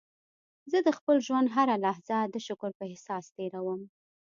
زه د خپل ژوند هره لحظه د شکر په احساس تېرووم.